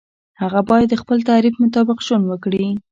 هغه باید د خپل تعریف مطابق ژوند وکړي.